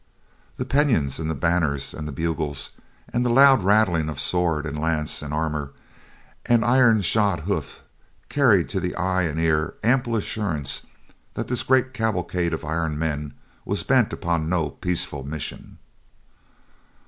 The pennons, and the banners and the bugles; and the loud rattling of sword, and lance and armor and iron shod hoof carried to the eye and ear ample assurance that this great cavalcade of iron men was bent upon no peaceful mission.